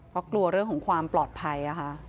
เพราะกลัวเรื่องของความปลอดภัย